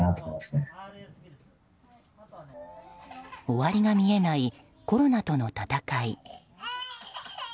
終わりが見えないコロナとの闘い。